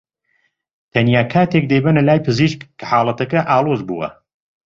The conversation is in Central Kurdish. تەنیا کاتێک دەیبەنە لای پزیشک کە حاڵەتەکە ئاڵۆز بووە